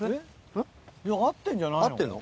合ってんじゃないの？